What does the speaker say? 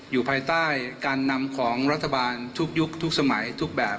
อยู่ภายใต้การนำของรัฐบาลทุกยุคทุกสมัยทุกแบบ